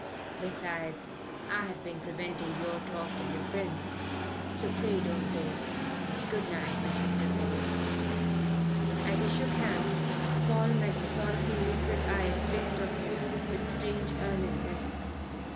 Besides, I have been preventing your talk with our friends. So pray don't go. Good night, Mr. Savelli." As he shook hands Paul met the sorrowful liquid eyes fixed on him with strange earnestness.